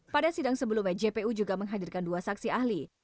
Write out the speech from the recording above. pada sidang sebelumnya jpu juga menghadirkan dua saksi ahli